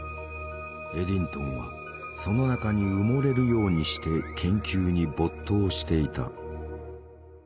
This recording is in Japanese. エディントンはその中に埋もれるようにして研究に没頭していた。